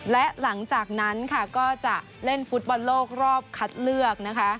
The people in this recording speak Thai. และหลังจากนั้นค่ะก็จะเล่นฟุตบอลโลกรอบคัดเลือกนะคะ